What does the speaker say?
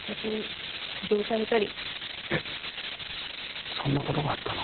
えっそんなことがあったの。